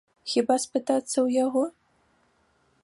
Хіба спытацца ў яго?